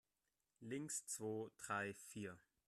Links, zwo, drei, vier!